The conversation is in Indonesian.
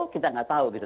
kita nggak tahu gitu